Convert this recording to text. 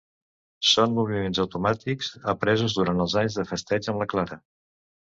Són moviments automàtics, apresos durant els anys de festeig amb la Clara.